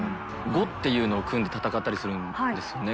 伍っていうのを組んで戦ったりするんですね